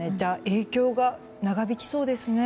影響が長引きそうですね。